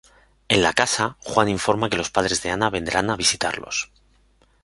En la casa, Juan informa que los padres de Ana vendrán a visitarlos.